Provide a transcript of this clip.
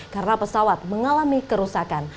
karena pesawat mengalami kerusakan